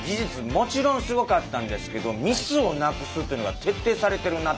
もちろんすごかったんですけどミスをなくすというのが徹底されてるなと。